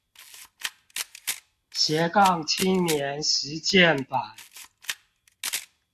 斜槓青年實踐版